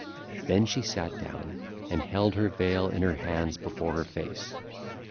Then she sat down and held her veil in her hands before her face.